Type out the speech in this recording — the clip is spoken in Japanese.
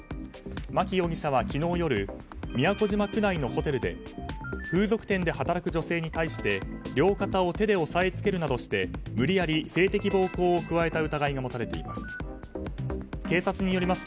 牧容疑者は昨日夜都島区内のホテルで風俗店で働く女性に対して両肩を手で押さえつけるなどして無理やり性的暴行を加えた疑いが持たれています。